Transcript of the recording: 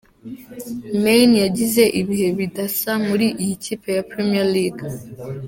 Mane yagize ibihe bidasa muri iyi kipe ya Premier League.